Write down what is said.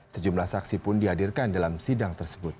sejumlah saksi pun dihadirkan dalam sidang tersebut